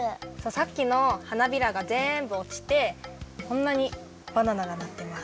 さっきの花びらがぜんぶおちてこんなにバナナがなってます。